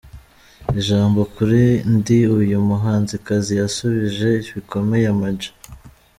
Ijambo kuri ndi uyu muhanzikazi yasubije bikomeye Ama G.